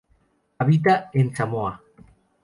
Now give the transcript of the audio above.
Habita en Samoa.